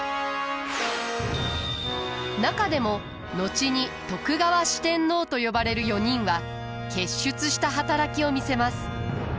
中でも後に徳川四天王と呼ばれる４人は傑出した働きを見せます。